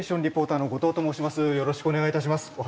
リポーターの後藤と申します。